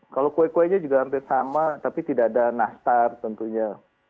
kalau kue kuenya juga hampir sama tapi tidak ada nastar tentunya